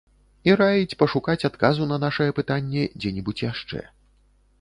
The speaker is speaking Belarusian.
І раіць пашукаць адказу на нашае пытанне дзе-небудзь яшчэ.